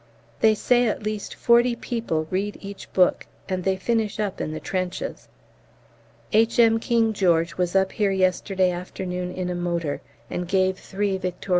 They say at least forty people read each book, and they finish up in the trenches. H.M. King George was up here yesterday afternoon in a motor and gave three V.C.'